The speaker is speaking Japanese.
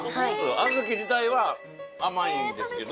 あずき自体は甘いんですけど